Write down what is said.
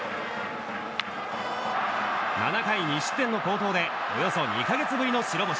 ７回２失点の好投でおよそ２か月ぶりの白星。